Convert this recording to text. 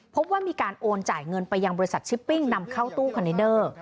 พบว่ามีการโอนจ่ายเงินไปยังบริษัทชิปปิ้งนำเข้าตู้คอนเทนเดอร์